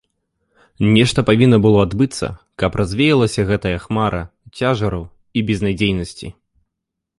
Нешта павінна было адбыцца, каб развеялася гэтая хмара цяжару і безнадзейнасці.